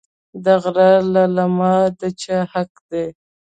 د غره للمه د چا حق دی؟